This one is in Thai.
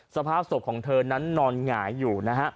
สภาพศพของเธอนั้นนอนหงายอยู่นะฮะ